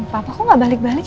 papa kok gak balik balik ya